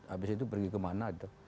habis itu pergi kemana gitu